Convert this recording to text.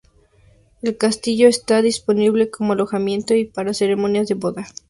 El castillo está disponible como alojamiento y para ceremonias de boda.